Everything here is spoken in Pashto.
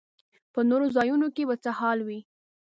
په نورو ځایونو کې به څه حال وي.